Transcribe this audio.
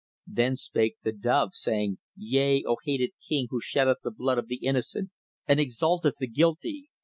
Then spake the dove, saying: 'Yea, O hated king who sheddeth the blood of the innocent and exalteth the guilty.